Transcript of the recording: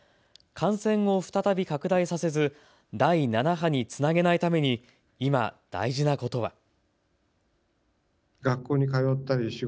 感染を再び拡大させず第７波につなげないために今、大事なことは。